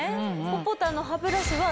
ポポタンの歯ブラシは。